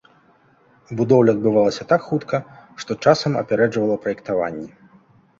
Будоўля адбывалася так хутка, что часам апярэджвала праектаванне.